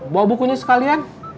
bawa bukunya sekalian